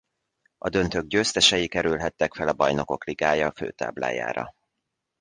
A döntők győztesei kerülhettek fel a Bajnokok ligája főtáblájára.